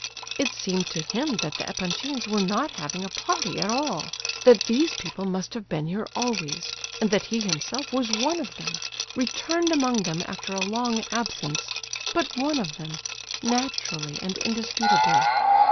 It seemed to him that the Epanchins were not having a party at all; that these people must have been here always, and that he himself was one of them—returned among them after a long absence, but one of them, naturally and indisputably.